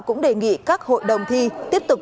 cũng đề nghị các hội đồng thi tiếp tục